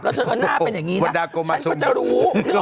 แล้วเธอหน้าเป็นอย่างนี้นะฉันก็จะรู้